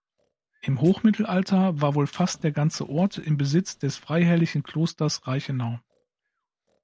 Im Hochmittelalter war wohl fast der ganze Ort im Besitz des freiherrlichen Klosters Reichenau.